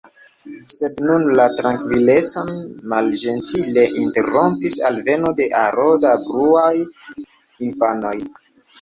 Sed nun la trankvilecon malĝentile interrompis alveno de aro da bruaj infanoj.